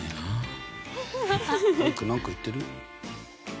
アイク何か言ってる？